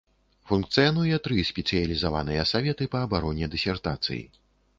Функцыянуе тры спецыялізаваныя саветы па абароне дысертацый.